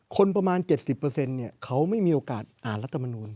คนประมาณ๗๐เขาไม่มีโอกาสอ่านรัฐมนูล